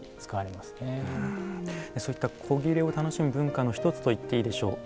そういった古裂を楽しむ文化の一つと言っていいでしょう。